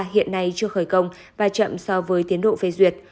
hiện nay chưa khởi công và chậm so với tiến độ phê duyệt